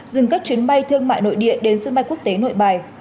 dừng các chuyến bay thương mại nội địa đến sân bay quốc tế nội bài